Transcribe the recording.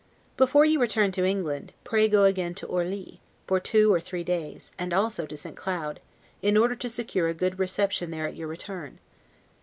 Before you return to England, pray go again to Orli, for two or three days, and also to St. Cloud, in order to secure a good reception there at your return.